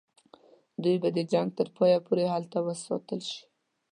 دوی به د جنګ تر پایه پوري هلته وساتل شي.